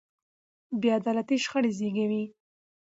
بې عدالتي شخړې زېږوي